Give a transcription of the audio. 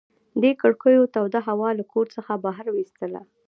دې کړکیو توده هوا له کور څخه بهر ویستله.